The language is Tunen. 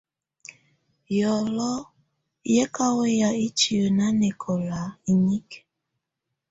Yɔlɔ yɛ̀ ka wɛya itiǝ́ nanɛkɔla inikǝ.